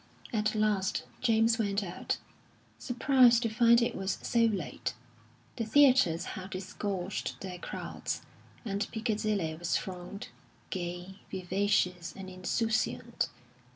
At last James went out, surprised to find it was so late. The theatres had disgorged their crowds, and Piccadilly was thronged, gay, vivacious, and insouciant.